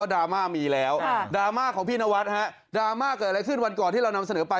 ดราม่ามีแล้วดราม่าของพี่นวัดฮะดราม่าเกิดอะไรขึ้นวันก่อนที่เรานำเสนอไป